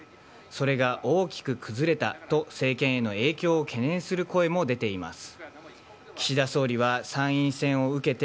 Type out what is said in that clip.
それが大きく崩れたと、政権への影響を懸念する声も出ています。